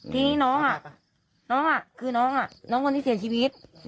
ทีนี้น้องน้องคือน้องน้องคนที่เสียชีวิต